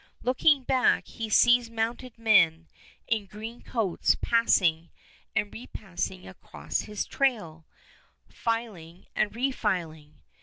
Looking back he sees mounted men in green coats passing and repassing across his trail, filing and refiling.